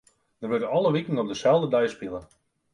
Der wurdt alle wiken op deselde dei spile.